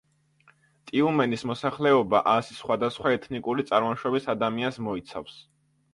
ტიუმენის მოსახლეობა ასი სხვადასხვა ეთნიკური წარმოშობის ადამიანს მოიცავს.